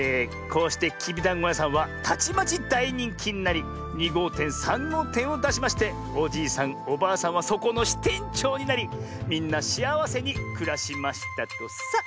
こうしてきびだんごやさんはたちまちだいにんきになり２ごうてん３ごうてんをだしましておじいさんおばあさんはそこのしてんちょうになりみんなしあわせにくらしましたとさ。